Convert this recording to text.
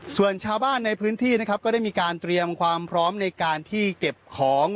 ส่วนชาวบ้านในพื้นที่นะครับก็ได้มีการเตรียมความพร้อมในการที่เก็บของ